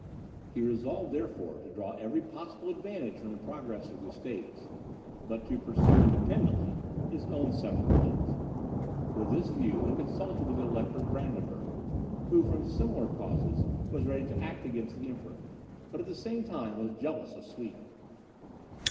He resolved, therefore, to draw every possible advantage from the progress of Gustavus, but to pursue, independently, his own separate plans. With this view, he consulted with the Elector of Brandenburg, who, from similar causes, was ready to act against the Emperor, but, at the same time, was jealous of Sweden.